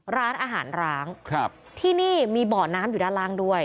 ร้านอาหารร้างครับที่นี่มีบ่อน้ำอยู่ด้านล่างด้วย